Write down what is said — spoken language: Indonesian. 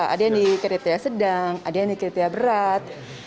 ada yang di kriteria sedang ada yang di kriteria berat